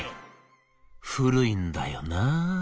「古いんだよな